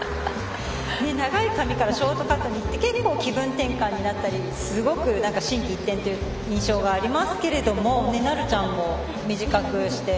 長い髪からショートカットって気分転換になったり心機一転という印象がありますがなるちゃんも短くして。